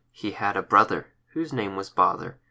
He had a brother Whose name was Bother.